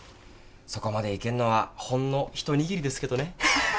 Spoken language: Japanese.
そこまでいけんのはほんの一握りですけどねハハハ